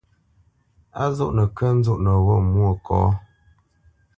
Á zoʼnə kə̂ nzóʼnə wô Mwôkɔ̌?